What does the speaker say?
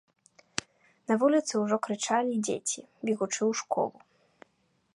На вуліцы ўжо крычалі дзеці, бегучы ў школу.